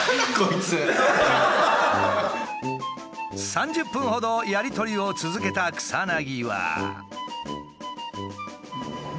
３０分ほどやり取りを続けた草薙は。